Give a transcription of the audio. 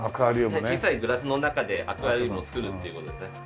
小さいグラスの中でアクアリウムを作るっていう事ですね。